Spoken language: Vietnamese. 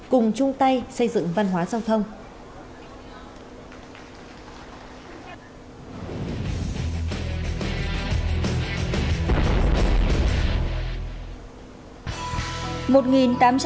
cùng chung tay xây dựng văn hóa giao thông